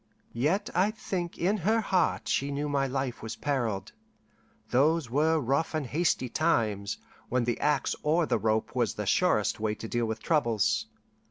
Yet I think in her heart she knew my life was perilled: those were rough and hasty times, when the axe or the rope was the surest way to deal with troubles.